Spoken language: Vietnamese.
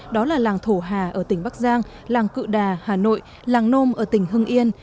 đó là làng thổ hà ở tỉnh bắc giang làng cự đà hà nội làng nôm ở tỉnh hưng yên